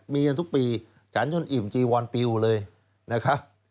มีกันทุกปีฉันจนอิ่มจีวอนปิวเลยนะครับ